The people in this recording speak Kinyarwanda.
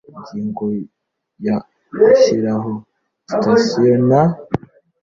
Ingingo ya gushyiraho sitasiyo nta